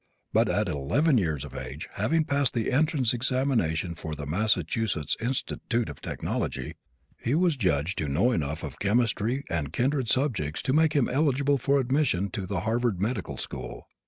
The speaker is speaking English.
But at eleven years of age, having passed the entrance examination for the Massachusetts Institute of Technology, he was judged to know enough of chemistry and kindred subjects to make him eligible for admission to the Harvard medical school.